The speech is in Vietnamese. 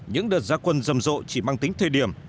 những đợt gia quân rầm rộ chỉ mang tính thời điểm